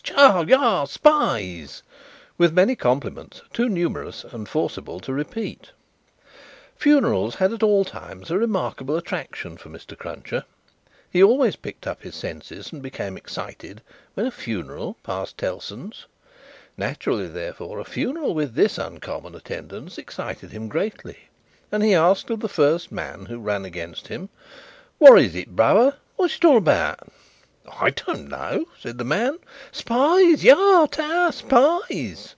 Tst! Yaha! Spies!" with many compliments too numerous and forcible to repeat. Funerals had at all times a remarkable attraction for Mr. Cruncher; he always pricked up his senses, and became excited, when a funeral passed Tellson's. Naturally, therefore, a funeral with this uncommon attendance excited him greatly, and he asked of the first man who ran against him: "What is it, brother? What's it about?" "I don't know," said the man. "Spies! Yaha! Tst! Spies!"